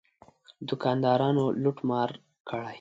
دوکاندارانو لوټ مار کړی.